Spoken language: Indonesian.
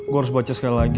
gue harus baca sekali lagi